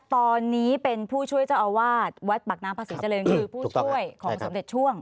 ตอนนี้เป็นผู้ช่วยเจ้าอวาดวัฒน์บักน้ำภาษิเจริญคือผู้ช่วยของสำเด็จช่วง